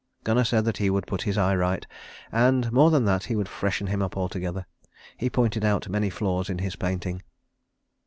Gunnar said that he would put his eye right, and, more than that, he would freshen him up altogether. He pointed out many flaws in his painting.